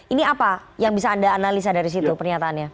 ini apa yang bisa anda analisa dari situ pernyataannya